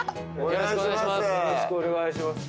よろしくお願いします